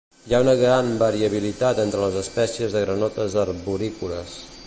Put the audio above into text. Hi ha una gran variabilitat entre les espècies de granotes arborícoles.